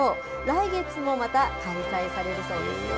来月もまた開催されるそうですよ。